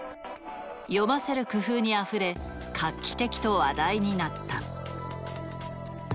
読ませる工夫にあふれ画期的と話題になった。